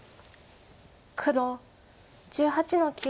黒１８の九。